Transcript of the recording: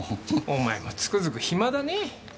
お前もつくづく暇だねぇ。